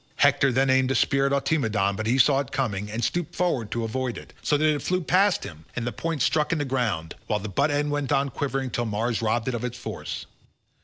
Hector then aimed a spear at Automedon but he saw it coming and stooped forward to avoid it, so that it flew past him and the point stuck in the ground, while the butt end went on quivering till Mars robbed it of its force.